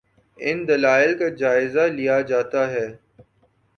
ان دلائل کا جائزہ لیا جاتا ہے۔